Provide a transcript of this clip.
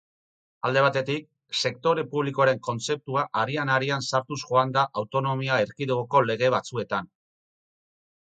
Alde batetik, «sektore publikoaren» kontzeptua arian-arian sartuz joan da Autonomia Erkidegoko lege batzuetan.